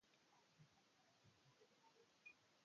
Xaƛuxʷas ta kʷiškʷiš.